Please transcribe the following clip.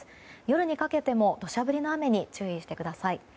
夜にかけても土砂降りの雨に注意してください。